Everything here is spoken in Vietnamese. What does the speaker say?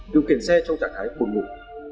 điều kiện xe trong trạng thái buồn ngủ